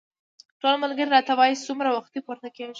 ټول ملګري راته وايي څومره وختي پورته کېږې.